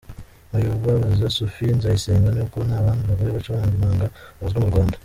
Mu bibabaza Sophia Nzayisenga ni uko nta bandi bagore bacuranga inanga bazwi mu Rwanda.